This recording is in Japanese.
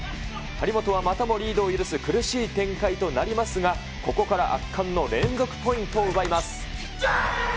張本はまたもリードを許す苦しい展開となりますが、ここから圧巻の連続ポイントを奪います。